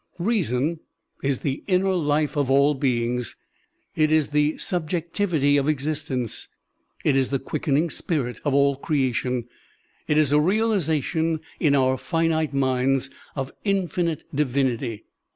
Reason is the inner life of all beings, it is the subjectivity of existence, it is the quickening spirit of all creation, it is a realization in our finite minds of infinite divinity.